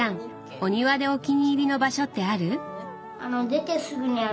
お庭でお気に入りの場所ってある？